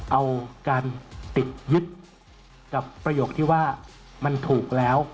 เอาการติดยึดกับประโยคที่ว่ามันถูกแล้ว